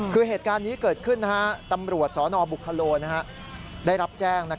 คือเหตุการณ์นี้เกิดขึ้นตำรวจสนบุคโลได้รับแจ้ง